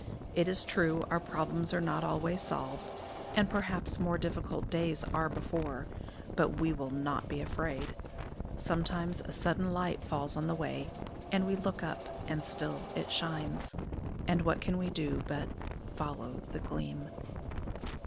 It is true our problems are not always solved, and perhaps more difficult days are before; but we will not be afraid. Sometimes a sudden light falls on the way, and we look up and still it shines: and what can we do but "follow the Gleam"?